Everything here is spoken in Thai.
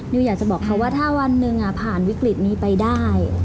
อยากจะบอกเขาว่าถ้าวันหนึ่งผ่านวิกฤตนี้ไปได้